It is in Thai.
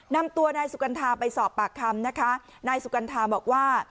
นำตัวนายสุกัณฑาไปสอบปากคำนะคะนายสุกัณฑาบอกว่า